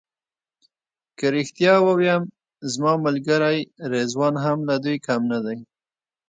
که رښتیا ووایم زما ملګری رضوان هم له دوی کم نه دی.